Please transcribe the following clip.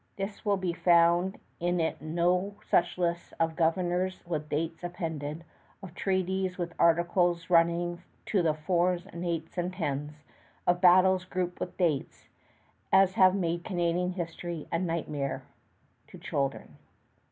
There will be found in it no such lists of governors with dates appended, of treaties with articles running to the fours and eights and tens, of battles grouped with dates, as have made Canadian history a nightmare to children.